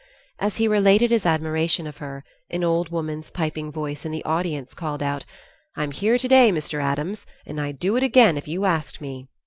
As he related his admiration of her, an old woman's piping voice in the audience called out: "I'm here to day, Mr. Addams, and I'd do it again if you asked me."